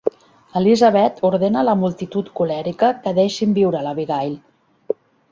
Elizabeth ordena a la multitud colèrica que deixin viure l'Abigail.